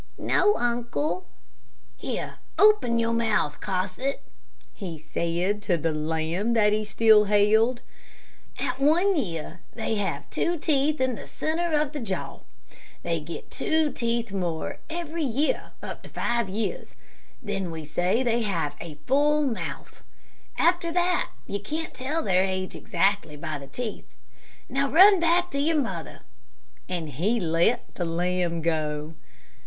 "No, uncle." "Here, open your mouth, Cosset," he said to the lamb that he still held. "At one year they have two teeth in the centre of the jaw. They get two teeth more every year up to five years. Then we say they have 'a full mouth.' After that you can't tell their age exactly by the teeth. Now, run back to your mother," and he let the lamb go.